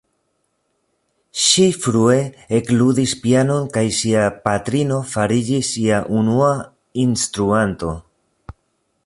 Ŝi frue ekludis pianon kaj ŝia patrino fariĝis ŝia unua instruanto.